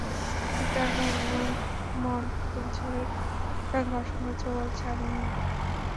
কিন্তু এখন আমার মন খুব জোরের সঙ্গে অসংকোচে বলছে, আমি হিন্দু।